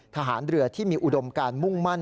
ทหารเรือที่มีอุดมการมุ่งมั่น